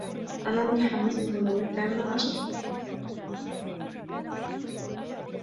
أنا متحمّس لبلوغ الثّامنة عشر.